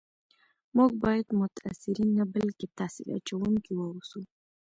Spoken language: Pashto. موږ باید متاثرین نه بلکي تاثیر اچونکي و اوسو